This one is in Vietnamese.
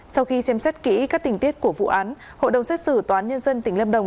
sau khi xem xét kỹ các tình tiết của vụ án hội đồng xét xử tòa án nhân dân tỉnh lâm đồng